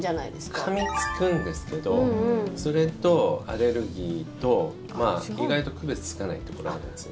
かみつくんですけどそれとアレルギーと意外と区別がつかないところがあるんですね。